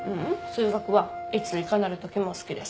数学はいついかなるときも好きです。